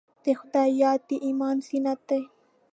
د خدای یاد د ایمان زینت دی.